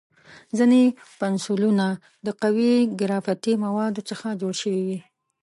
ځینې پنسلونه د قوي ګرافیتي موادو څخه جوړ شوي وي.